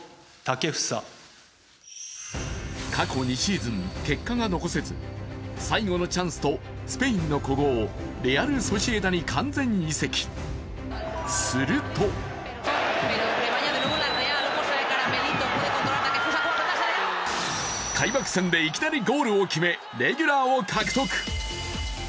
過去２シーズン、結果が残せず、最後のチャンスとスペインの古豪、レアル・ソシエダに完全移籍、すると開幕戦でいきなりゴールを決めレギュラーを監督。